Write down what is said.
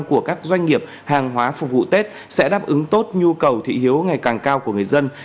của các doanh nghiệp hàng hóa phục vụ tết sẽ đáp ứng tốt nhu cầu thị hiếu ngày càng cao của người dân